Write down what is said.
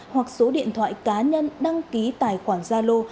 hoặc số điện thoại cá nhân đăng ký tài khoản gia lô